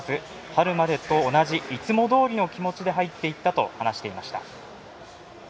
春までと同じいつもどおりの気持ちで入っていったと話していました。